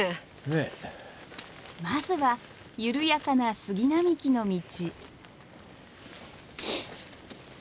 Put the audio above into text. まずは緩やかな杉並木の道。